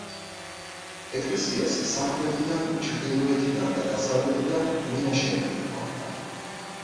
ეკლესიას სამხრეთიდან, ჩრდილოეთიდან და დასავლეთიდან მინაშენები ჰქონდა.